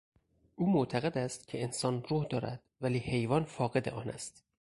او معتقد است که انسان روح دارد ولی حیوان فاقد آن است.